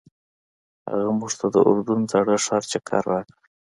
هغه موږ ته د اردن زاړه ښار چکر راکړ.